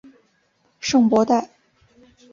圣博代。